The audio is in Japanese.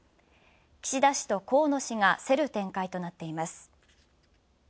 岸田氏と河野氏が競る展開となっています。